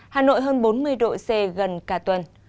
hà nội hơn bốn mươi độ c gần cả tuần